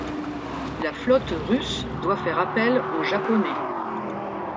La flotte russe doit faire appel aux Japonais.